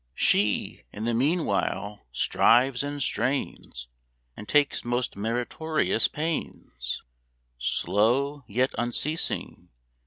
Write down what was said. She, in the meanwhile, strives and strains, And takes most meritorious pains; Slow, yet unceasing.